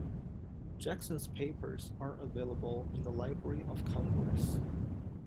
Jackson's papers are available in the Library of Congress.